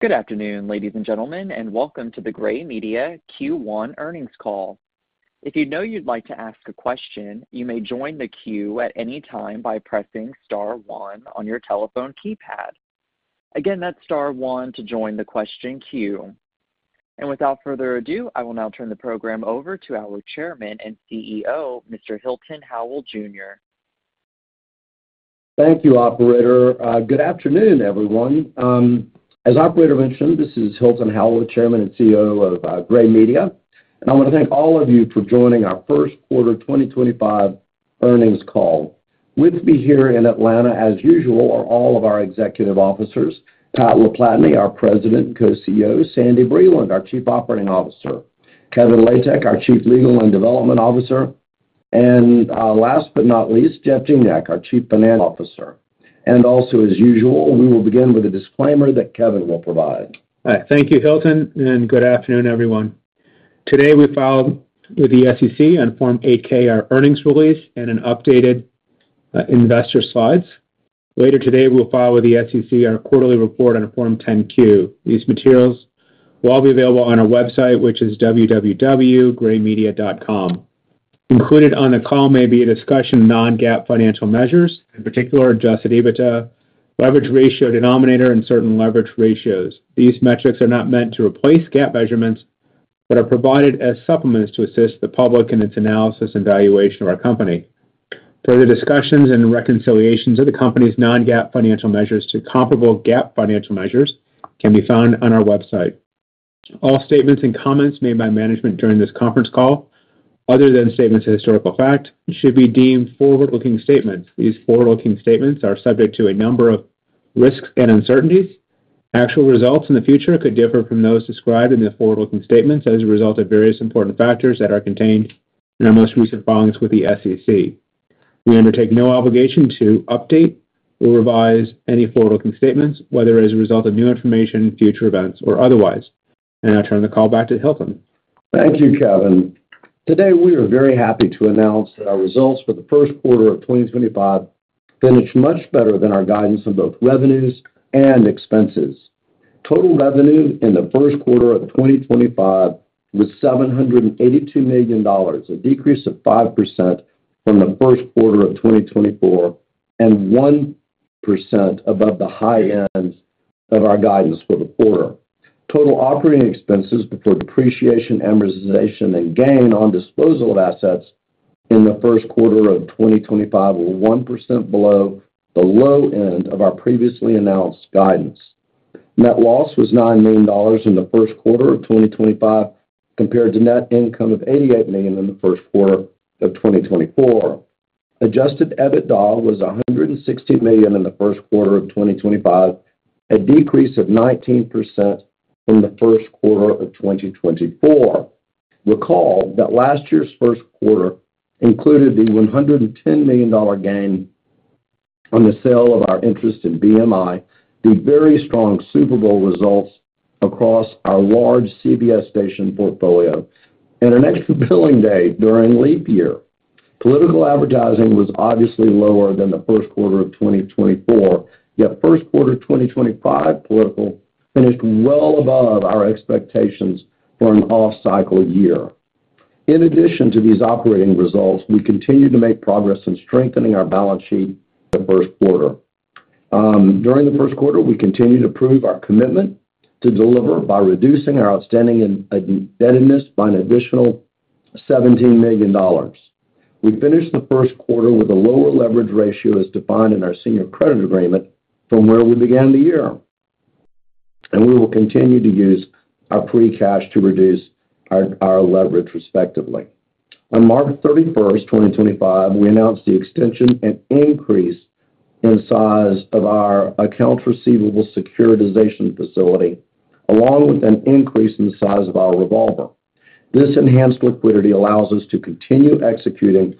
Good afternoon, ladies and gentlemen, and welcome to the Gray Media Q1 earnings call. If you know you'd like to ask a question, you may join the queue at any time by pressing *1 on your telephone keypad. Again, that's *1 to join the question queue. Without further ado, I will now turn the program over to our Chairman and CEO, Mr. Hilton Howell Jr. Thank you, Operator. Good afternoon, everyone. As Operator mentioned, this is Hilton Howell, Chairman and CEO of Gray Media. I want to thank all of you for joining our first quarter 2025 earnings call. With me here in Atlanta, as usual, are all of our executive officers: Pat LaPlatney, our President and co-CEO; Sandy Breland, our Chief Operating Officer; Kevin Latek, our Chief Legal and Development Officer; and last but not least, Jeff Gignac, our Chief Financial Officer. Also, as usual, we will begin with a disclaimer that Kevin will provide. All right. Thank you, Hilton, and good afternoon, everyone. Today, we filed with the SEC on Form 8-K, our earnings release and an updated investor slides. Later today, we will file with the SEC our quarterly report on Form 10-Q. These materials will all be available on our website, which is www.graymedia.com. Included on the call may be a discussion of non-GAAP financial measures, in particular, adjusted EBITDA, leverage ratio denominator, and certain leverage ratios. These metrics are not meant to replace GAAP measurements but are provided as supplements to assist the public in its analysis and valuation of our company. Further discussions and reconciliations of the company's non-GAAP financial measures to comparable GAAP financial measures can be found on our website. All statements and comments made by management during this conference call, other than statements of historical fact, should be deemed forward-looking statements. These forward-looking statements are subject to a number of risks and uncertainties. Actual results in the future could differ from those described in the forward-looking statements as a result of various important factors that are contained in our most recent filings with the SEC. We undertake no obligation to update or revise any forward-looking statements, whether as a result of new information, future events, or otherwise. I turn the call back to Hilton. Thank you, Kevin. Today, we are very happy to announce that our results for the first quarter of 2025 finished much better than our guidance on both revenues and expenses. Total revenue in the first quarter of 2025 was $782 million, a decrease of 5% from the first quarter of 2024, and 1% above the high end of our guidance for the quarter. Total operating expenses before depreciation, amortization, and gain on disposal of assets in the first quarter of 2025 were 1% below the low end of our previously announced guidance. Net loss was $9 million in the first quarter of 2025 compared to net income of $88 million in the first quarter of 2024. Adjusted EBITDA was $160 million in the first quarter of 2025, a decrease of 19% from the first quarter of 2024. Recall that last year's first quarter included the $110 million gain on the sale of our interest in BMI, the very strong Super Bowl results across our large CBS station portfolio, and an extra billing day during leap year. Political advertising was obviously lower than the first quarter of 2024, yet first quarter of 2025 political finished well above our expectations for an off-cycle year. In addition to these operating results, we continued to make progress in strengthening our balance sheet the first quarter. During the first quarter, we continued to prove our commitment to deliver by reducing our outstanding indebtedness by an additional $17 million. We finished the first quarter with a lower leverage ratio as defined in our senior credit agreement from where we began the year. We will continue to use our free cash to reduce our leverage, respectively. On March 31, 2025, we announced the extension and increase in size of our accounts receivable securitization facility, along with an increase in the size of our revolver. This enhanced liquidity allows us to continue executing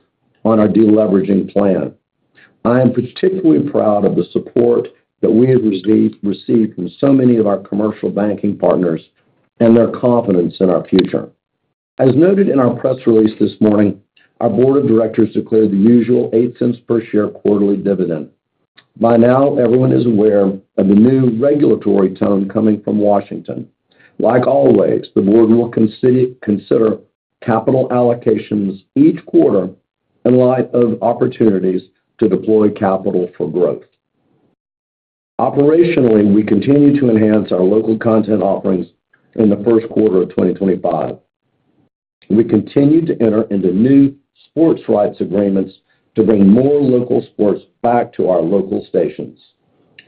on our deleveraging plan. I am particularly proud of the support that we have received from so many of our commercial banking partners and their confidence in our future. As noted in our press release this morning, our board of directors declared the usual $0.08 per share quarterly dividend. By now, everyone is aware of the new regulatory tone coming from Washington. Like always, the board will consider capital allocations each quarter in light of opportunities to deploy capital for growth. Operationally, we continue to enhance our local content offerings in the first quarter of 2025. We continue to enter into new sports rights agreements to bring more local sports back to our local stations.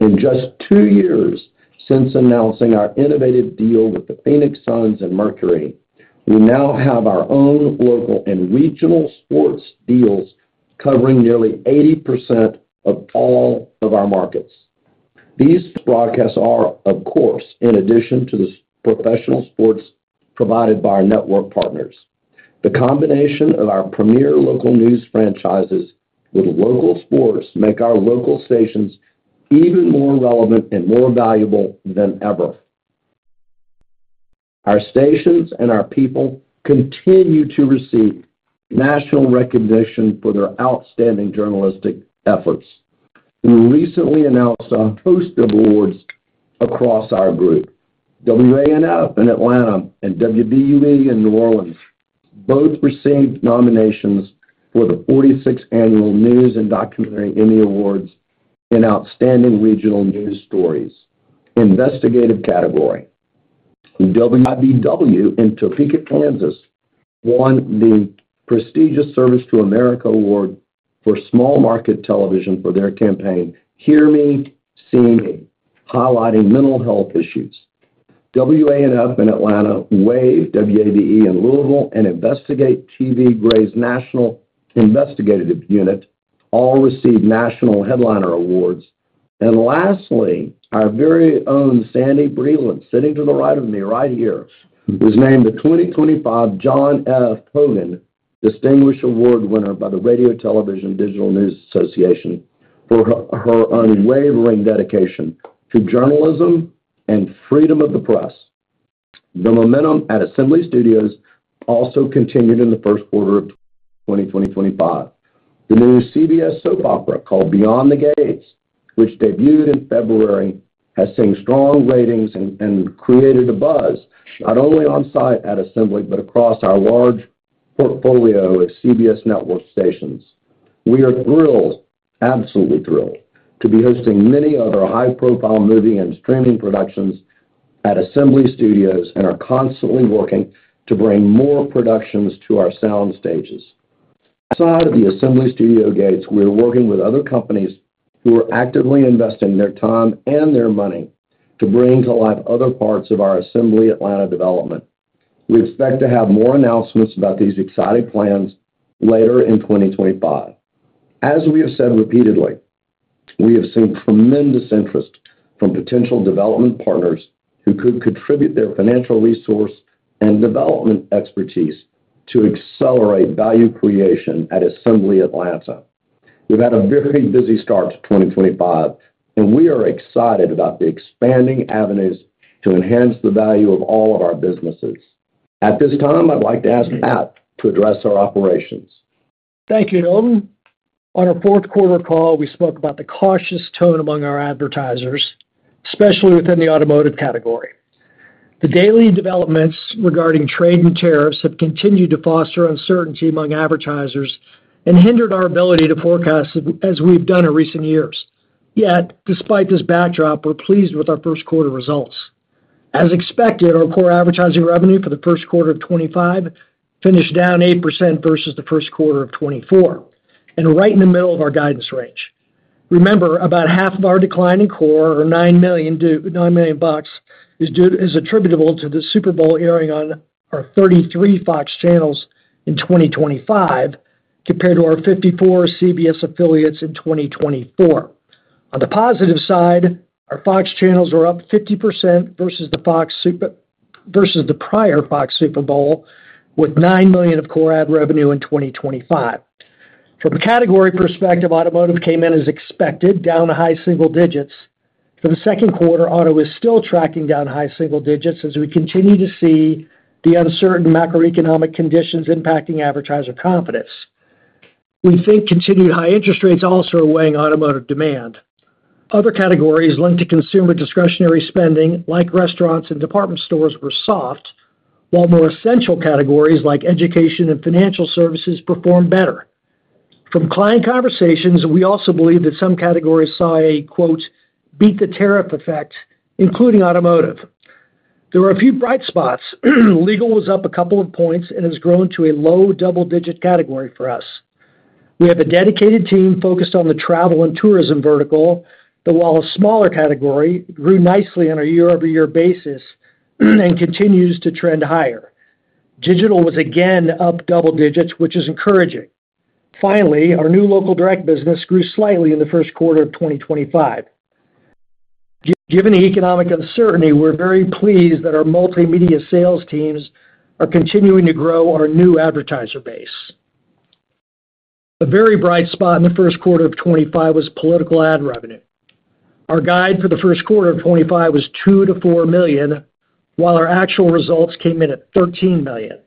In just two years since announcing our innovative deal with the Phoenix Suns and Mercury, we now have our own local and regional sports deals covering nearly 80% of all of our markets. These broadcasts are, of course, in addition to the professional sports provided by our network partners. The combination of our premier local news franchises with local sports makes our local stations even more relevant and more valuable than ever. Our stations and our people continue to receive national recognition for their outstanding journalistic efforts. We recently announced a host of awards across our group. WANF in Atlanta and WVUE in New Orleans both received nominations for the 46th Annual News and Documentary Emmy Awards in Outstanding Regional News Stories. Investigative category. WIBW in Topeka, Kansas, won the prestigious Service to America Award for small market television for their campaign, Hear Me, See Me, highlighting mental health issues. WANF in Atlanta, WAVE in Louisville, and Investigate TV, Gray's national investigative unit, all received national Headliner Awards. Lastly, our very own Sandy Breland, sitting to the right of me right here, was named the 2025 John F. Hogan Distinguished Award winner by the Radio Television Digital News Association for her unwavering dedication to journalism and freedom of the press. The momentum at Assembly Studios also continued in the first quarter of 2025. The new CBS soap opera called Beyond the Gates, which debuted in February, has seen strong ratings and created a buzz not only on site at Assembly but across our large portfolio of CBS network stations. We are thrilled, absolutely thrilled, to be hosting many other high-profile movie and streaming productions at Assembly Studios and are constantly working to bring more productions to our sound stages. Outside of the Assembly Studio gates, we are working with other companies who are actively investing their time and their money to bring to life other parts of our Assembly Atlanta development. We expect to have more announcements about these exciting plans later in 2025. As we have said repeatedly, we have seen tremendous interest from potential development partners who could contribute their financial resource and development expertise to accelerate value creation at Assembly Atlanta. We've had a very busy start to 2025, and we are excited about the expanding avenues to enhance the value of all of our businesses. At this time, I'd like to ask Pat to address our operations. Thank you, Hilton. On our fourth quarter call, we spoke about the cautious tone among our advertisers, especially within the automotive category. The daily developments regarding trade and tariffs have continued to foster uncertainty among advertisers and hindered our ability to forecast as we've done in recent years. Yet, despite this backdrop, we're pleased with our first quarter results. As expected, our core advertising revenue for the first quarter of 2025 finished down 8% versus the first quarter of 2024, and right in the middle of our guidance range. Remember, about half of our declining core, our $9 million, is attributable to the Super Bowl airing on our 33 Fox channels in 2025, compared to our 54 CBS affiliates in 2024. On the positive side, our Fox channels are up 50% versus the prior Fox Super Bowl, with $9 million of core ad revenue in 2025. From a category perspective, automotive came in as expected, down to high single digits. For the second quarter, auto is still tracking down to high single digits as we continue to see the uncertain macroeconomic conditions impacting advertiser confidence. We think continued high interest rates also are weighing automotive demand. Other categories linked to consumer discretionary spending, like restaurants and department stores, were soft, while more essential categories like education and financial services performed better. From client conversations, we also believe that some categories saw a "beat the tariff effect," including automotive. There were a few bright spots. Legal was up a couple of points and has grown to a low double-digit category for us. We have a dedicated team focused on the travel and tourism vertical that, while a smaller category, grew nicely on a year-over-year basis and continues to trend higher. Digital was again up double digits, which is encouraging. Finally, our new local direct business grew slightly in the first quarter of 2025. Given the economic uncertainty, we're very pleased that our multimedia sales teams are continuing to grow our new advertiser base. A very bright spot in the first quarter of 2025 was political ad revenue. Our guide for the first quarter of 2025 was $2 million-$4 million, while our actual results came in at $13 million.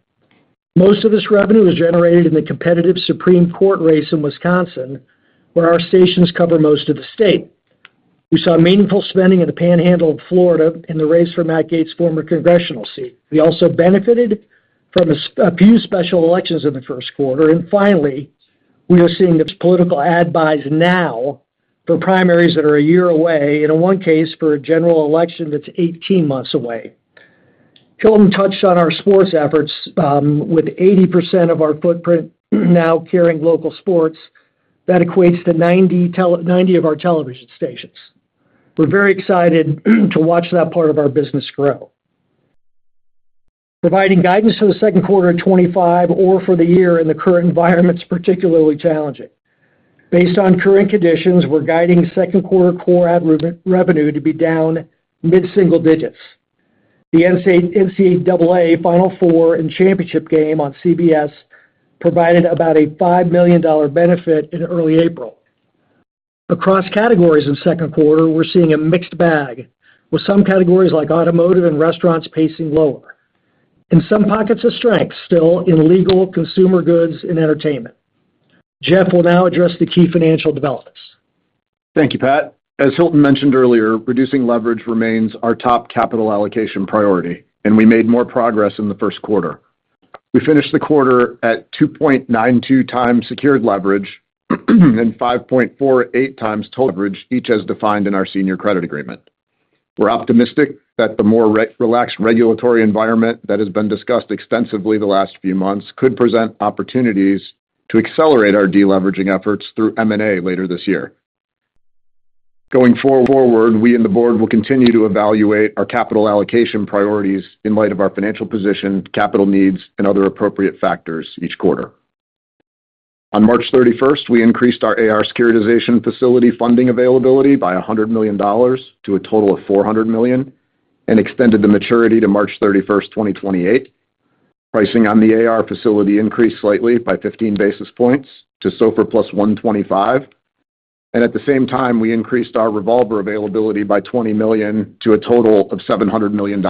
Most of this revenue was generated in the competitive Supreme Court race in Wisconsin, where our stations cover most of the state. We saw meaningful spending in the Florida Panhandle in the race for Matt Gaetz's former congressional seat. We also benefited from a few special elections in the first quarter. Finally, we are seeing the political ad buys now for primaries that are a year away and, in one case, for a general election that is 18 months away. Hilton touched on our sports efforts, with 80% of our footprint now carrying local sports. That equates to 90 of our television stations. We are very excited to watch that part of our business grow. Providing guidance for the second quarter of 2025 or for the year in the current environment is particularly challenging. Based on current conditions, we are guiding second quarter core ad revenue to be down mid-single digits. The NCAA Final Four and Championship game on CBS provided about a $5 million benefit in early April. Across categories in the second quarter, we are seeing a mixed bag, with some categories like automotive and restaurants pacing lower, and some pockets of strength still in legal, consumer goods, and entertainment. Jeff will now address the key financial developments. Thank you, Pat. As Hilton mentioned earlier, reducing leverage remains our top capital allocation priority, and we made more progress in the first quarter. We finished the quarter at 2.92 times secured leverage and 5.48 times total leverage, each as defined in our senior credit agreement. We're optimistic that the more relaxed regulatory environment that has been discussed extensively the last few months could present opportunities to accelerate our deleveraging efforts through M&A later this year. Going forward, we and the board will continue to evaluate our capital allocation priorities in light of our financial position, capital needs, and other appropriate factors each quarter. On March 31, we increased our AR securitization facility funding availability by $100 million to a total of $400 million and extended the maturity to March 31, 2028. Pricing on the AR facility increased slightly by 15 basis points to SOFR plus 125. At the same time, we increased our revolver availability by $20 million to a total of $700 million.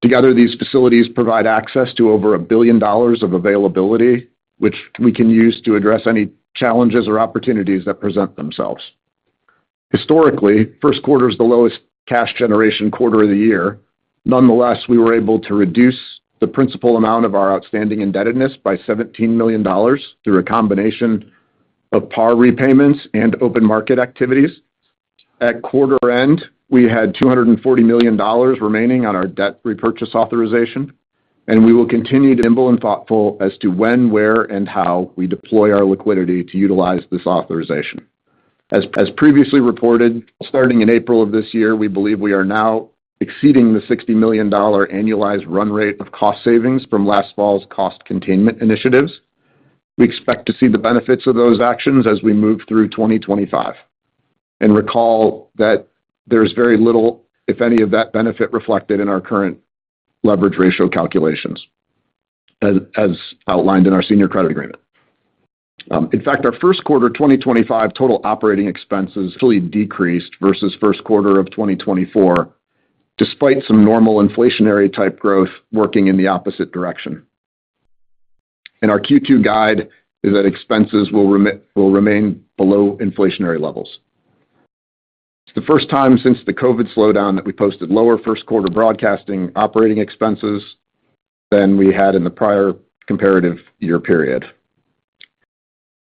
Together, these facilities provide access to over a billion dollars of availability, which we can use to address any challenges or opportunities that present themselves. Historically, first quarter is the lowest cash generation quarter of the year. Nonetheless, we were able to reduce the principal amount of our outstanding indebtedness by $17 million through a combination of PAR repayments and open market activities. At quarter end, we had $240 million remaining on our debt repurchase authorization, and we will continue to be nimble and thoughtful as to when, where, and how we deploy our liquidity to utilize this authorization. As previously reported, starting in April of this year, we believe we are now exceeding the $60 million annualized run rate of cost savings from last fall's cost containment initiatives. We expect to see the benefits of those actions as we move through 2025. Recall that there is very little, if any, of that benefit reflected in our current leverage ratio calculations, as outlined in our senior credit agreement. In fact, our first quarter 2025 total operating expenses decreased versus first quarter of 2024, despite some normal inflationary-type growth working in the opposite direction. Our Q2 guide is that expenses will remain below inflationary levels. It is the first time since the COVID slowdown that we posted lower first quarter broadcasting operating expenses than we had in the prior comparative year period.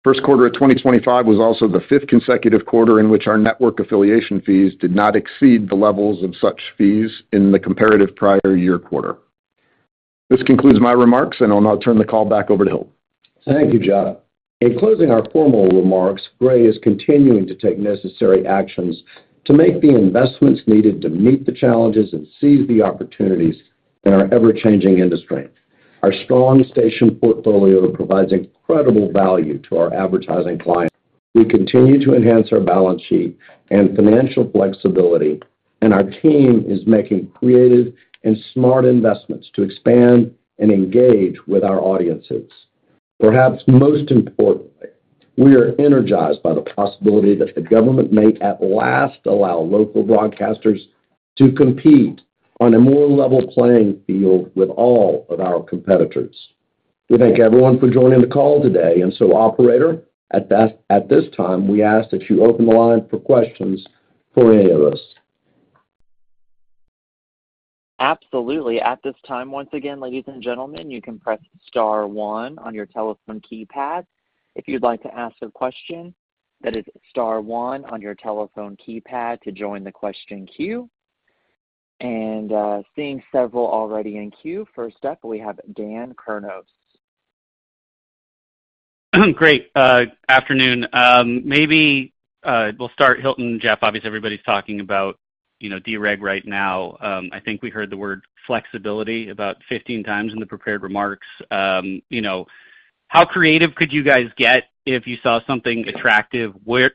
First quarter of 2025 was also the fifth consecutive quarter in which our network affiliation fees did not exceed the levels of such fees in the comparative prior year quarter. This concludes my remarks, and I'll now turn the call back over to Hilton. Thank you, Jeff. In closing our formal remarks, Gray is continuing to take necessary actions to make the investments needed to meet the challenges and seize the opportunities in our ever-changing industry. Our strong station portfolio provides incredible value to our advertising clients. We continue to enhance our balance sheet and financial flexibility, and our team is making creative and smart investments to expand and engage with our audiences. Perhaps most importantly, we are energized by the possibility that the government may at last allow local broadcasters to compete on a more level playing field with all of our competitors. We thank everyone for joining the call today. Operator, at this time, we ask that you open the line for questions for any of us. Absolutely. At this time, once again, ladies and gentlemen, you can press *1 on your telephone keypad if you'd like to ask a question. That is *1 on your telephone keypad to join the question queue. Seeing several already in queue, first up, we have Dan Kurnos. Great. Afternoon. Maybe we'll start Hilton and Jeff. Obviously, everybody's talking about de-reg (deregulation) right now. I think we heard the word flexibility about 15 times in the prepared remarks. How creative could you guys get if you saw something attractive? What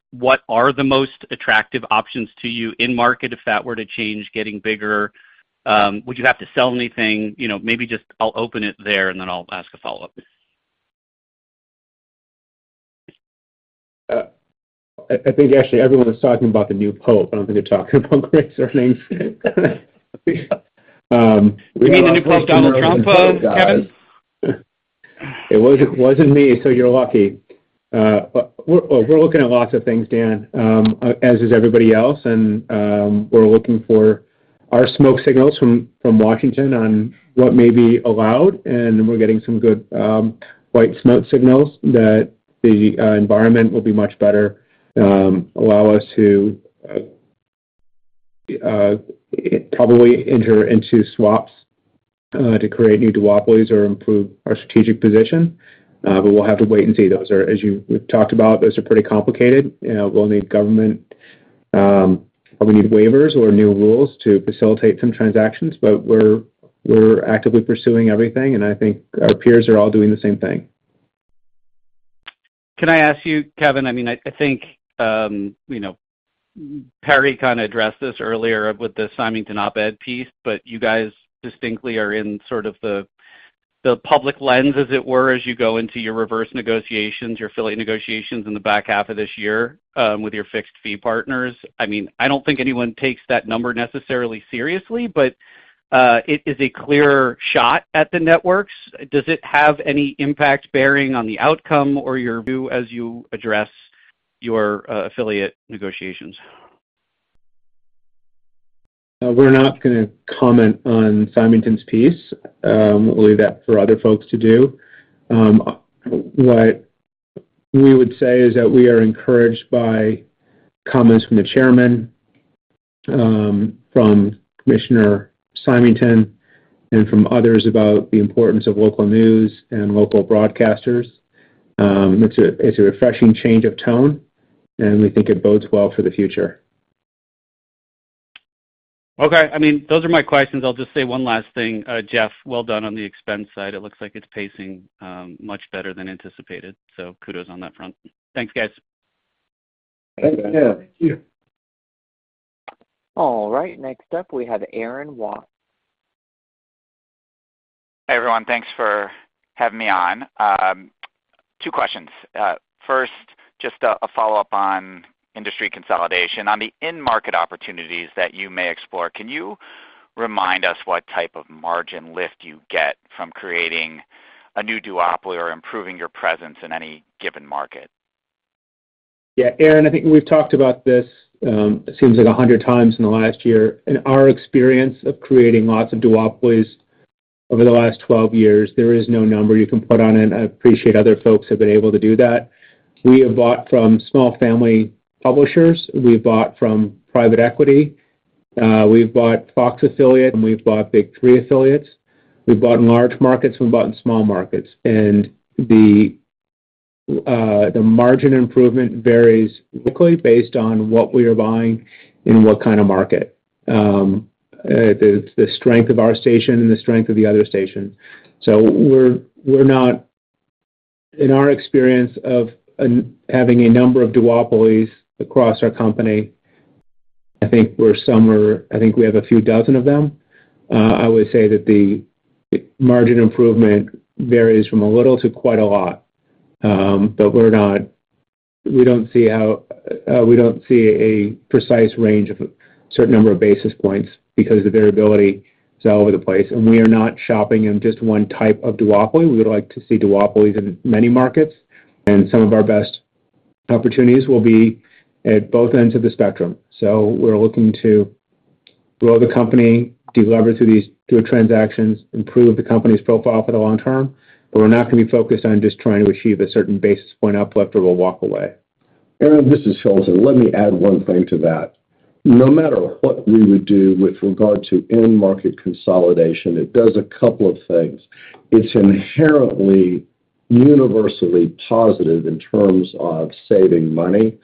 are the most attractive options to you in market if that were to change getting bigger? Would you have to sell anything? Maybe just I'll open it there, and then I'll ask a follow-up. I think, actually, everyone's talking about the new Pope. I don't think they're talking about Gray's earnings. You mean the new post-Donald Trump, Kevin? It wasn't me, so you're lucky. We're looking at lots of things, Dan, as is everybody else. We're looking for our smoke signals from Washington on what may be allowed. We're getting some good white smoke signals that the environment will be much better, allow us to probably enter into swaps to create new duopolies or improve our strategic position. We'll have to wait and see. As we've talked about, those are pretty complicated. We'll need government, probably need waivers or new rules to facilitate some transactions. We're actively pursuing everything, and I think our peers are all doing the same thing. Can I ask you, Kevin? I mean, I think uncertain kind of addressed this earlier with the Simington op-ed piece, but you guys distinctly are in sort of the public lens, as it were, as you go into your reverse negotiations, your affiliate negotiations in the back half of this year with your fixed fee partners. I mean, I do not think anyone takes that number necessarily seriously, but it is a clear shot at the networks. Does it have any impact bearing on the outcome or your, as you address your affiliate negotiations? We're not going to comment on Simington's piece. We'll leave that for other folks to do. What we would say is that we are encouraged by comments from the Chairman, from Commissioner Simington, and from others about the importance of local news and local broadcasters. It's a refreshing change of tone, and we think it bodes well for the future. Okay. I mean, those are my questions. I'll just say one last thing. Jeff, well done on the expense side. It looks like it's pacing much better than anticipated, so kudos on that front. Thanks, guys. Thanks, Dan. Thank you. All right. Next up, we have Aaron Watts. Hey, everyone. Thanks for having me on. Two questions. First, just a follow-up on industry consolidation. On the in-market opportunities that you may explore, can you remind us what type of margin lift you get from creating a new duopoly or improving your presence in any given market? Yeah. Aaron, I think we've talked about this, it seems like, 100 times in the last year. In our experience of creating lots of duopolies over the last 12 years, there is no number you can put on it. I appreciate other folks have been able to do that. We have bought from small family publishers. We've bought from private equity. We've bought Fox affiliate, and we've bought Big Three affiliates. We've bought in large markets, and we've bought in small markets. The margin improvement varies quickly based on what we are buying and what kind of market, the strength of our station and the strength of the other station. We're not, in our experience of having a number of duopolies across our company, I think we're somewhere, I think we have a few dozen of them. I would say that the margin improvement varies from a little to quite a lot. We do not see a precise range of a certain number of basis points because the variability is all over the place. We are not shopping in just one type of duopoly. We would like to see duopolies in many markets. Some of our best opportunities will be at both ends of the spectrum. We are looking to grow the company, deliver through transactions, improve the company's profile for the long term. We are not going to be focused on just trying to achieve a certain basis point uplift, or we will walk away. Aaron, this is Hilton. Let me add one thing to that. No matter what we would do with regard to in-market consolidation, it does a couple of things. It is inherently universally positive in terms of saving money.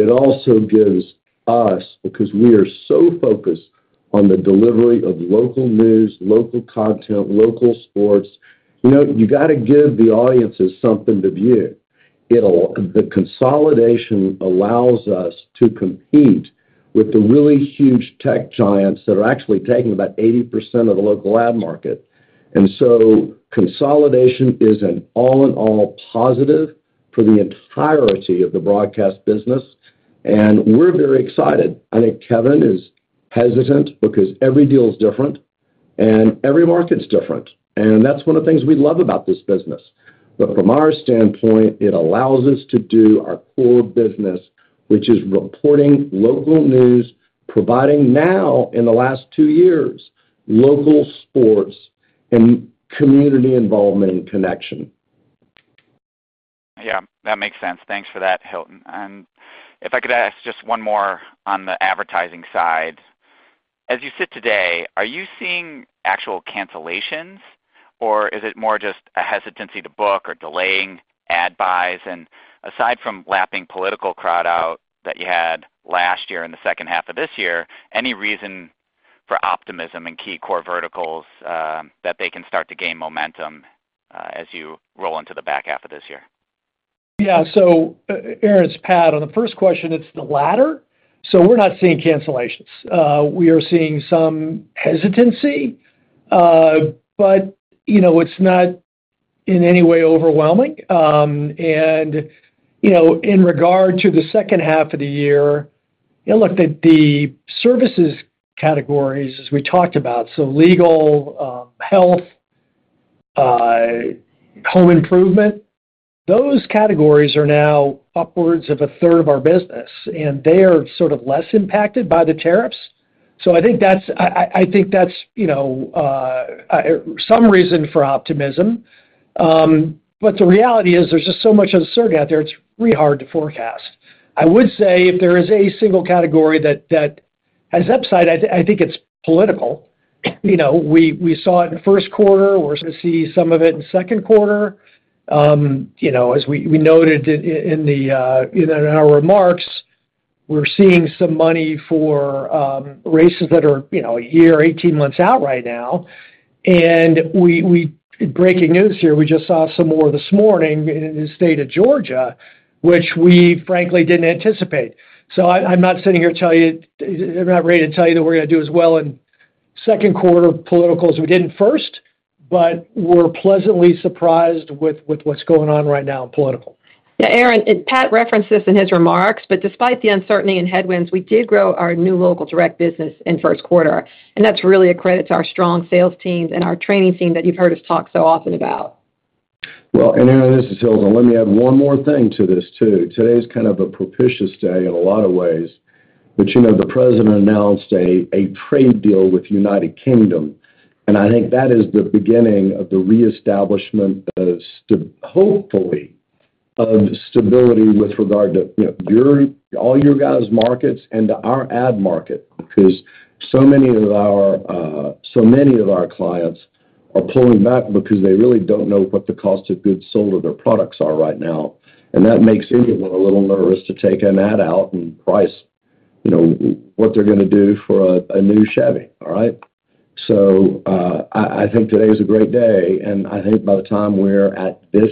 It also gives us, because we are so focused on the delivery of local news, local content, local sports, you got to give the audiences something to view. The consolidation allows us to compete with the really huge tech giants that are actually taking about 80% of the local ad market. Consolidation is an all-in-all positive for the entirety of the broadcast business. We are very excited. I think Kevin is hesitant because every deal is different, and every market is different. That is one of the things we love about this business. From our standpoint, it allows us to do our core business, which is reporting local news, providing now, in the last two years, local sports and community involvement and connection. Yeah. That makes sense. Thanks for that, Hilton. If I could ask just one more on the advertising side. As you sit today, are you seeing actual cancellations, or is it more just a hesitancy to book or delaying ad buys? Aside from lapping political crowd out that you had last year in the second half of this year, any reason for optimism in key core verticals that they can start to gain momentum as you roll into the back half of this year? Yeah. So, Aaron's pat on the first question, it's the latter. We're not seeing cancellations. We are seeing some hesitancy, but it's not in any way overwhelming. In regard to the second half of the year, look, the services categories, as we talked about, so legal, health, home improvement, those categories are now upwards of a third of our business. They are sort of less impacted by the tariffs. I think that's some reason for optimism. The reality is there's just so much uncertainty out there, it's really hard to forecast. I would say if there is a single category that has upside, I think it's political. We saw it in the first quarter. We're going to see some of it in the second quarter. As we noted in our remarks, we're seeing some money for races that are a year, 18 months out right now. Breaking news here, we just saw some more this morning in the state of Georgia, which we, frankly, did not anticipate. I'm not sitting here to tell you I'm not ready to tell you that we're going to do as well in second quarter political as we did in first, but we're pleasantly surprised with what's going on right now in political. Yeah. Aaron, Pat referenced this in his remarks, but despite the uncertainty and headwinds, we did grow our new local direct business in first quarter. That is really a credit to our strong sales teams and our training team that you have heard us talk so often about. Aaron, this is Hilton. Let me add one more thing to this too. Today's kind of a propitious day in a lot of ways, but the president announced a trade deal with the U.K. I think that is the beginning of the reestablishment of, hopefully, of stability with regard to all your guys' markets and to our ad market because so many of our clients are pulling back because they really do not know what the cost of goods sold or their products are right now. That makes anyone a little nervous to take an ad out and price what they are going to do for a new Chevy, all right? I think today is a great day. I think by the time we are at this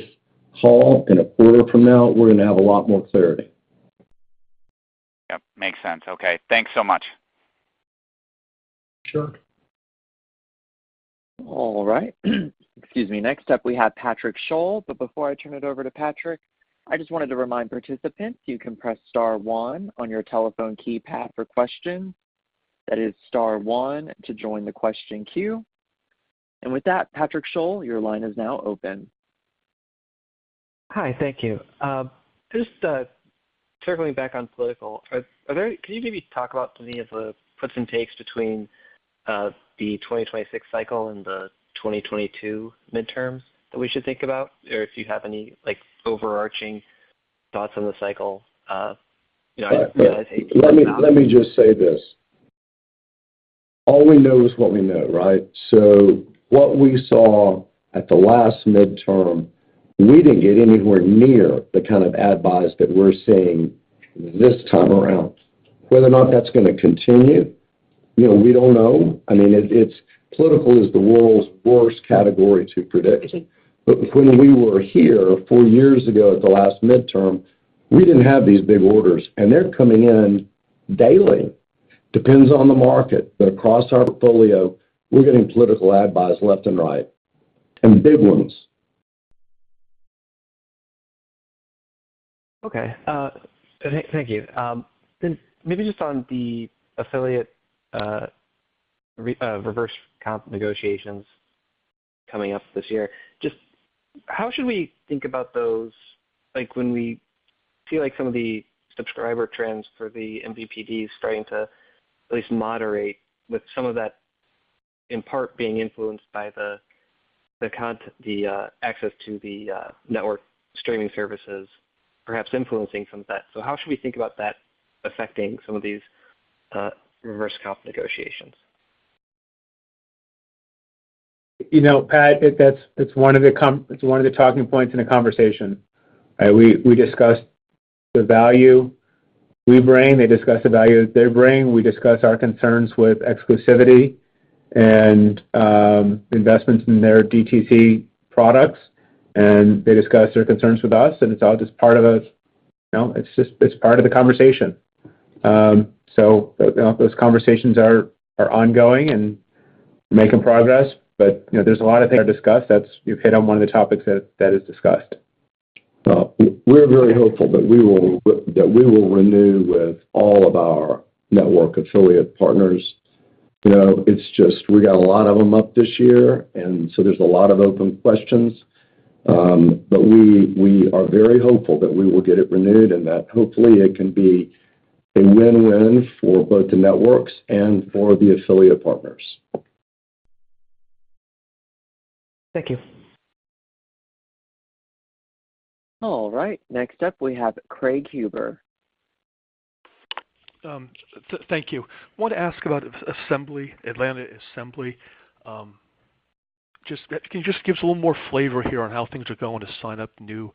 call in a quarter from now, we are going to have a lot more clarity. Yep. Makes sense. Okay. Thanks so much. Sure. All right. Excuse me. Next up, we have Patrick Sholl. Before I turn it over to Patrick, I just wanted to remind participants, you can press *1 on your telephone keypad for questions. That is *1 to join the question queue. With that, Patrick Sholl, your line is now open. Hi. Thank you. Just circling back on political, can you maybe talk about some of the puts and takes between the 2026 cycle and the 2022 midterms that we should think about? Or if you have any overarching thoughts on the cycle, I realize that you're not. Let me just say this. All we know is what we know, right? So what we saw at the last midterm, we did not get anywhere near the kind of ad buys that we are seeing this time around. Whether or not that is going to continue, we do not know. I mean, political is the world's worst category to predict. But when we were here four years ago at the last midterm, we did not have these big orders. And they are coming in daily. Depends on the market. But across our portfolio, we are getting political ad buys left and right, and big ones. Okay. Thank you. Maybe just on the affiliate reverse comp negotiations coming up this year, just how should we think about those when we see some of the subscriber trends for the MVPDs starting to at least moderate, with some of that in part being influenced by the access to the network streaming services perhaps influencing some of that? How should we think about that affecting some of these reverse comp negotiations? Pat, it's one of the talking points in a conversation. We discuss the value we bring. They discuss the value that they bring. We discuss our concerns with exclusivity and investments in their DTC products. They discuss their concerns with us. It's all just part of the conversation. Those conversations are ongoing and making progress. There are a lot of things that are discussed. You've hit on one of the topics that is discussed. We're very hopeful that we will renew with all of our network affiliate partners. It's just we got a lot of them up this year, and so there's a lot of open questions. We are very hopeful that we will get it renewed and that, hopefully, it can be a win-win for both the networks and for the affiliate partners. Thank you. All right. Next up, we have Craig Huber. Thank you. I want to ask about Assembly Atlanta. Can you just give us a little more flavor here on how things are going to sign up new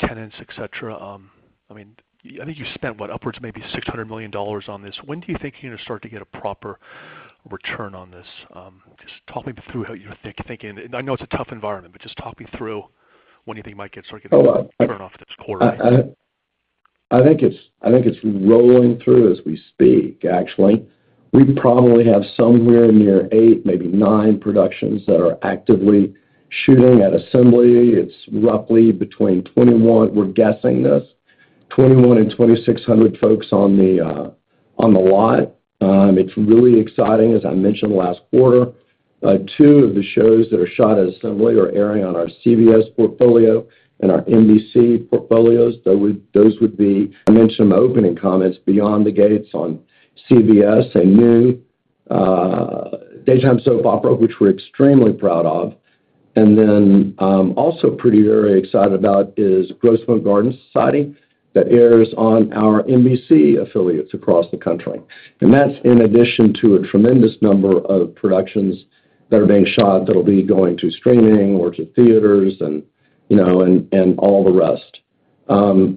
tenants, etc.? I mean, I think you spent, what, upwards of maybe $600 million on this. When do you think you're going to start to get a proper return on this? Just talk me through how you're thinking. I know it's a tough environment, but just talk me through when you think you might start to get a turn-off this quarter. I think it's rolling through as we speak, actually. We probably have somewhere near eight, maybe nine productions that are actively shooting at Assembly. It's roughly between 2,100—we're guessing this—2,100 and 2,600 folks on the lot. It's really exciting, as I mentioned, last quarter. Two of the shows that are shot at Assembly are airing on our CBS portfolio and our NBC portfolios. Those would be—I mentioned in my opening comments—Beyond the Gates on CBS, a new daytime soap opera, which we're extremely proud of. Also pretty very excited about is Grosse Pointe Garden Society that airs on our NBC affiliates across the country. That's in addition to a tremendous number of productions that are being shot that'll be going to streaming or to theaters and all the rest.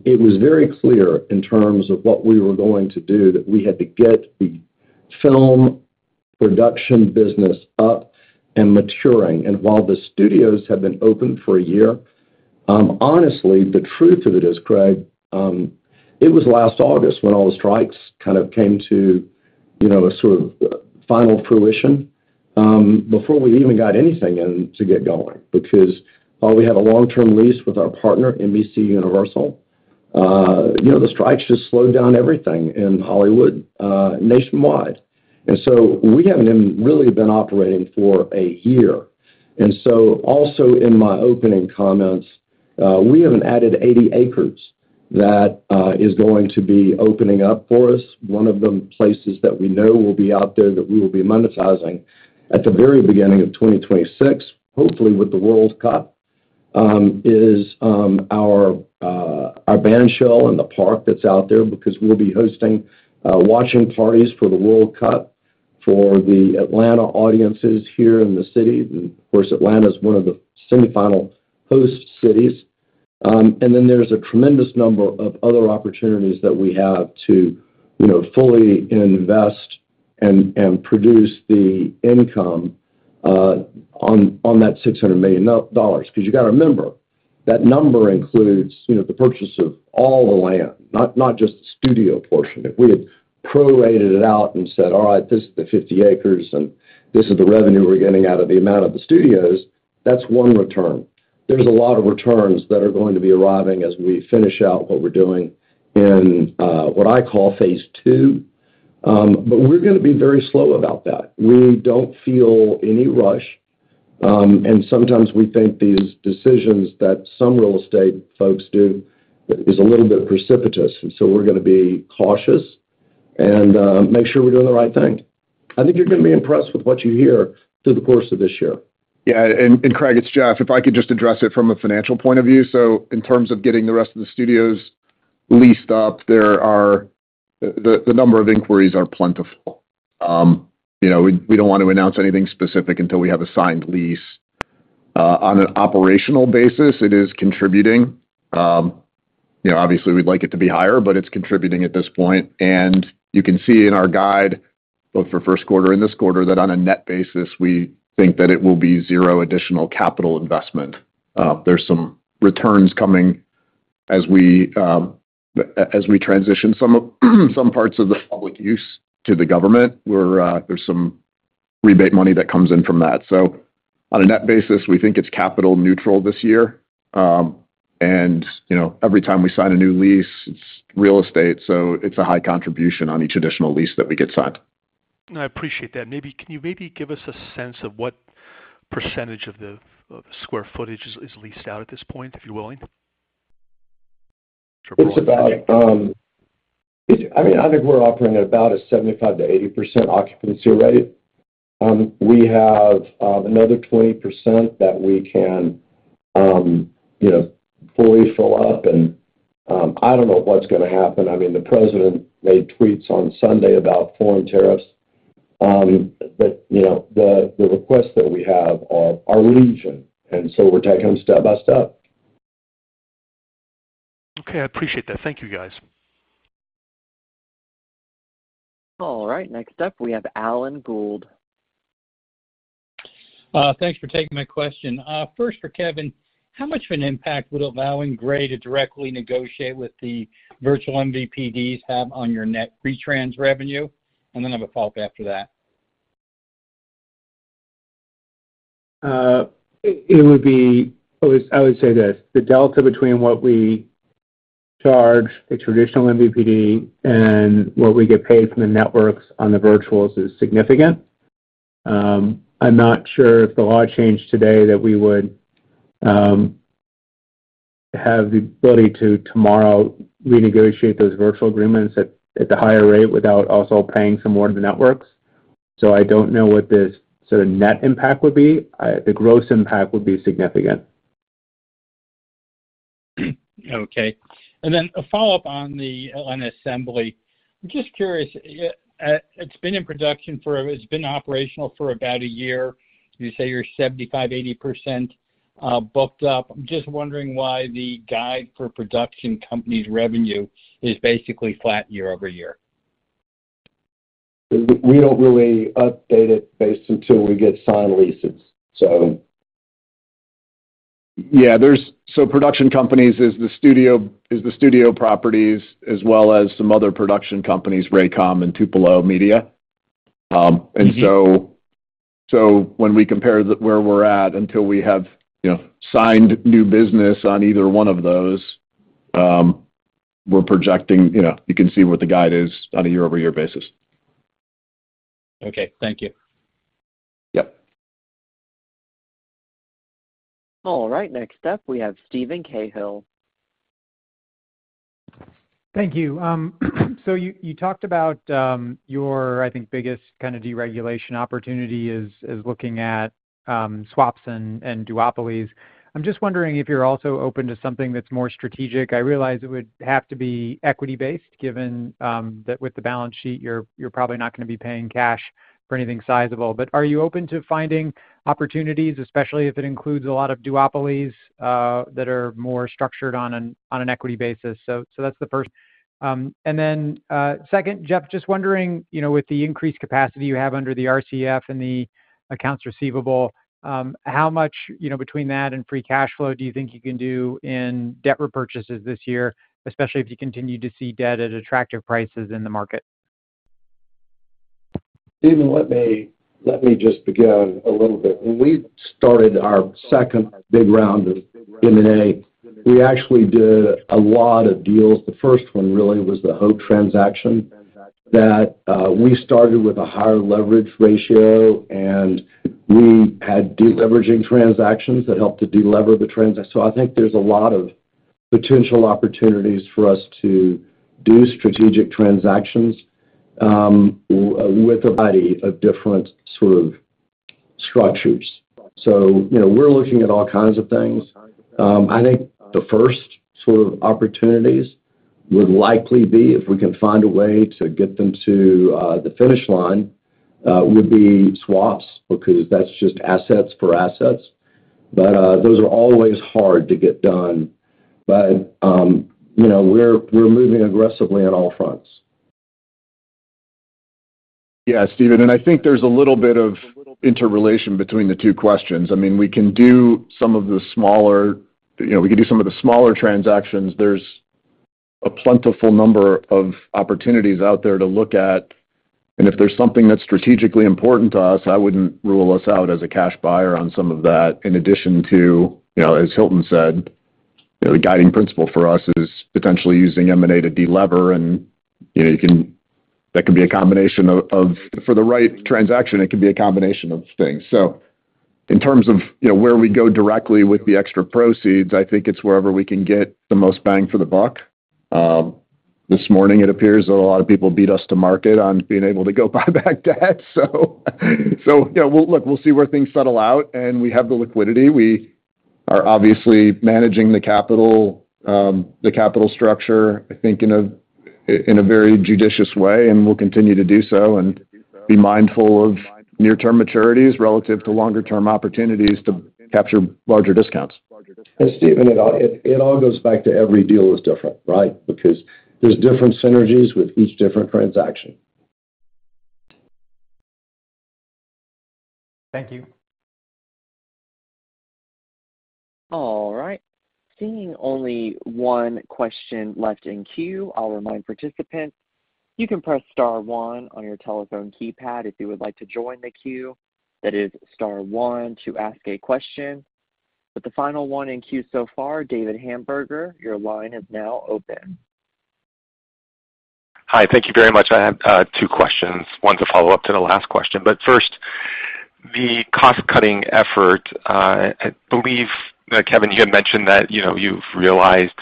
It was very clear in terms of what we were going to do that we had to get the film production business up and maturing. While the studios have been open for a year, honestly, the truth of it is, Craig, it was last August when all the strikes kind of came to a sort of final fruition before we even got anything in to get going. While we had a long-term lease with our partner, NBC Universal, the strikes just slowed down everything in Hollywood nationwide. We have not really been operating for a year. Also, in my opening comments, we have an added 80 acres that is going to be opening up for us. One of the places that we know will be out there that we will be monetizing at the very beginning of 2026, hopefully with the World Cup, is our band shell and the park that's out there because we'll be hosting watching parties for the World Cup for the Atlanta audiences here in the city. Of course, Atlanta is one of the semifinal host cities. There is a tremendous number of other opportunities that we have to fully invest and produce the income on that $600 million. You got to remember, that number includes the purchase of all the land, not just the studio portion. If we had prorated it out and said, "All right, this is the 50 acres, and this is the revenue we're getting out of the amount of the studios," that's one return. There's a lot of returns that are going to be arriving as we finish out what we're doing in what I call phase two. We're going to be very slow about that. We don't feel any rush. Sometimes we think these decisions that some real estate folks do is a little bit precipitous. We're going to be cautious and make sure we're doing the right thing. I think you're going to be impressed with what you hear through the course of this year. Yeah. Craig, it's Jeff. If I could just address it from a financial point of view. In terms of getting the rest of the studios leased up, the number of inquiries are plentiful. We do not want to announce anything specific until we have a signed lease. On an operational basis, it is contributing. Obviously, we'd like it to be higher, but it's contributing at this point. You can see in our guide, both for first quarter and this quarter, that on a net basis, we think that it will be zero additional capital investment. There are some returns coming as we transition some parts of the public use to the government. There is some rebate money that comes in from that. On a net basis, we think it's capital neutral this year. Every time we sign a new lease, it's real estate. It's a high contribution on each additional lease that we get signed. I appreciate that. Maybe can you maybe give us a sense of what percentage of the square footage is leased out at this point, if you're willing? It's about—I mean, I think we're operating at about a 75%-80% occupancy rate. We have another 20% that we can fully fill up. I don't know what's going to happen. I mean, the president made tweets on Sunday about foreign tariffs, but the requests that we have are legion. We're taking them step by step. Okay. I appreciate that. Thank you, guys. All right. Next up, we have Alan Gould. Thanks for taking my question. First, for Kevin, how much of an impact would allowing Gray to directly negotiate with the virtual MVPDs have on your net pretrans revenue? And then I have a follow-up after that. It would be—I would say this. The delta between what we charge, the traditional MVPD, and what we get paid from the networks on the virtuals is significant. I'm not sure if the law changed today that we would have the ability to, tomorrow, renegotiate those virtual agreements at the higher rate without also paying some more to the networks. I don't know what this sort of net impact would be. The gross impact would be significant. Okay. And then a follow-up on the Atlanta Assembly. I'm just curious. It's been in production for—it's been operational for about a year. You say you're 75%-80% booked up. I'm just wondering why the guide for production companies' revenue is basically flat year over year. We don't really update it based until we get signed leases, so. Yeah. So production companies is the studio properties as well as some other production companies, Raycom and Tupelo Media. And when we compare where we're at until we have signed new business on either one of those, we're projecting—you can see what the guide is on a year-over-year basis. Okay. Thank you. Yep. All right. Next up, we have Steven Cahall. Thank you. You talked about your, I think, biggest kind of deregulation opportunity is looking at swaps and duopolies. I'm just wondering if you're also open to something that's more strategic. I realize it would have to be equity-based given that with the balance sheet, you're probably not going to be paying cash for anything sizable. Are you open to finding opportunities, especially if it includes a lot of duopolies that are more structured on an equity basis? That's the first. Second, Jeff, just wondering with the increased capacity you have under the RCF and the accounts receivable, how much between that and free cash flow do you think you can do in debt repurchases this year, especially if you continue to see debt at attractive prices in the market? Steven, let me just begin a little bit. When we started our second big round of M&A, we actually did a lot of deals. The first one really was the uncertain that we started with a higher leverage ratio, and we had deleveraging transactions that helped to delever the transaction. I think there's a lot of potential opportunities for us to do strategic transactions with a variety of different sort of structures. We're looking at all kinds of things. I think the first sort of opportunities would likely be, if we can find a way to get them to the finish line, would be swaps because that's just assets for assets. Those are always hard to get done. We're moving aggressively on all fronts. Yeah, Steven. I think there's a little bit of interrelation between the two questions. I mean, we can do some of the smaller—we can do some of the smaller transactions. There's a plentiful number of opportunities out there to look at. If there's something that's strategically important to us, I wouldn't rule us out as a cash buyer on some of that. In addition to, as Hilton said, the guiding principle for us is potentially using M&A to delever. That can be a combination of—for the right transaction, it can be a combination of things. In terms of where we go directly with the extra proceeds, I think it's wherever we can get the most bang for the buck. This morning, it appears that a lot of people beat us to market on being able to go buy back debt. Yeah, we'll look. We'll see where things settle out. We have the liquidity. We are obviously managing the capital structure, I think, in a very judicious way. We'll continue to do so and be mindful of near-term maturities relative to longer-term opportunities to capture larger discounts. Steven, it all goes back to every deal is different, right? Because there are different synergies with each different transaction. Thank you. All right. Seeing only one question left in queue, I'll remind participants, you can press *1 on your telephone keypad if you would like to join the queue. That is *1 to ask a question. The final one in queue so far, David Hamburger, your line is now open. Hi. Thank you very much. I have two questions. One's a follow-up to the last question. First, the cost-cutting effort, I believe, Kevin, you had mentioned that you've realized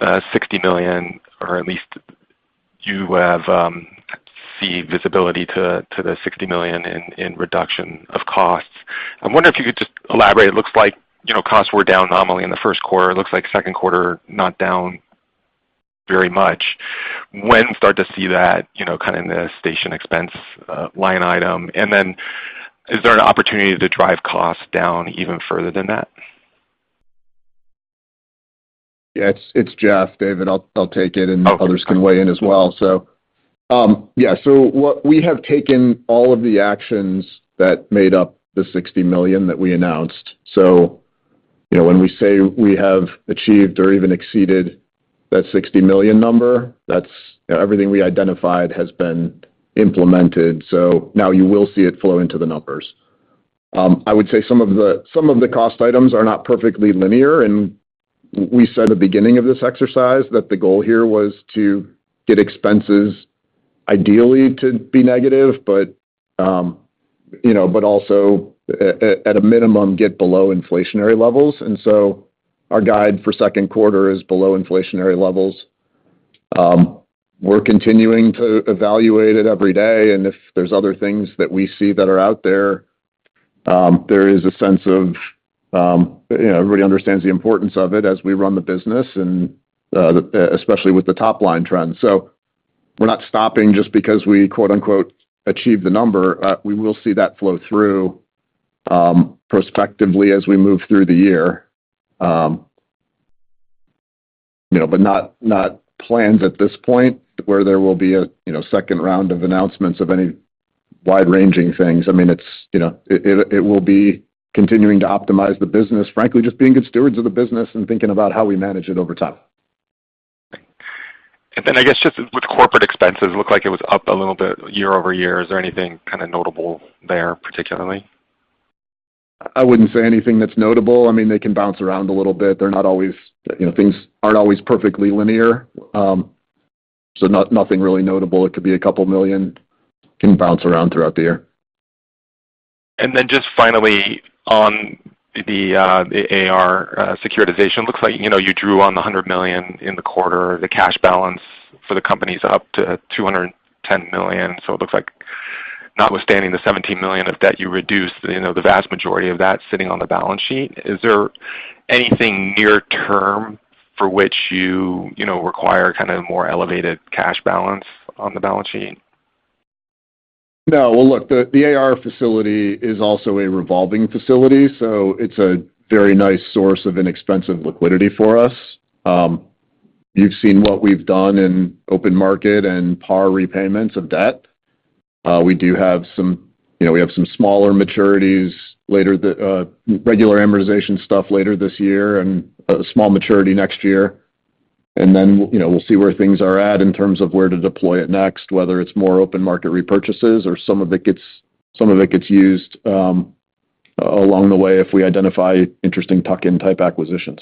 $60 million, or at least you have seen visibility to the $60 million in reduction of costs. I'm wondering if you could just elaborate. It looks like costs were down nominally in the first quarter. It looks like second quarter not down very much. When start to see that kind of in the station expense line item? Is there an opportunity to drive costs down even further than that? Yeah. It's Jeff. David, I'll take it. Others can weigh in as well. Yeah. We have taken all of the actions that made up the $60 million that we announced. When we say we have achieved or even exceeded that $60 million number, everything we identified has been implemented. Now you will see it flow into the numbers. I would say some of the cost items are not perfectly linear. We said at the beginning of this exercise that the goal here was to get expenses ideally to be negative, but also at a minimum get below inflationary levels. Our guide for second quarter is below inflationary levels. We're continuing to evaluate it every day. If there are other things that we see that are out there, there is a sense of everybody understands the importance of it as we run the business, especially with the top-line trends. We are not stopping just because we "achieve the number." We will see that flow through prospectively as we move through the year. There are not plans at this point where there will be a second round of announcements of any wide-ranging things. I mean, it will be continuing to optimize the business, frankly, just being good stewards of the business and thinking about how we manage it over time. I guess just with corporate expenses, it looked like it was up a little bit year over year. Is there anything kind of notable there particularly? I wouldn't say anything that's notable. I mean, they can bounce around a little bit. Things aren't always perfectly linear. So nothing really notable. It could be a couple of million. It can bounce around throughout the year. Just finally on the AR securitization, it looks like you drew on the $100 million in the quarter. The cash balance for the company is up to $210 million. It looks like notwithstanding the $17 million of debt, you reduced the vast majority of that sitting on the balance sheet. Is there anything near-term for which you require kind of more elevated cash balance on the balance sheet? No. Look, the AR facility is also a revolving facility. It is a very nice source of inexpensive liquidity for us. You have seen what we have done in open market and PAR repayments of debt. We have some smaller maturities, regular amortization stuff later this year, and a small maturity next year. We will see where things are at in terms of where to deploy it next, whether it is more open market repurchases or some of it gets used along the way if we identify interesting tuck-in type acquisitions.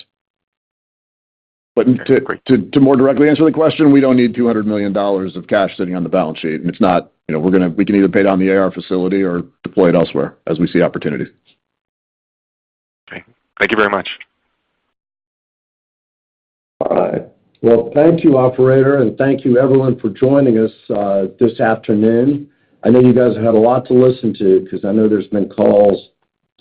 To more directly answer the question, we do not need $200 million of cash sitting on the balance sheet. It is not—we can either pay down the AR facility or deploy it elsewhere as we see opportunity. Okay. Thank you very much. All right. Thank you, operator. Thank you, everyone, for joining us this afternoon. I know you guys have had a lot to listen to because I know0 there have been calls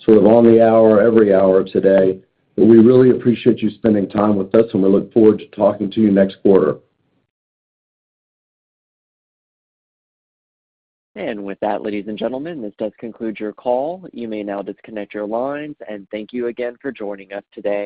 sort of on the hour, every hour today. We really appreciate you spending time with us. We look forward to talking to you next quarter. With that, ladies and gentlemen, this does conclude your call. You may now disconnect your lines. Thank you again for joining us today.